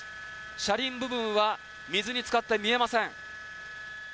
車輪部分は水につかって見せません。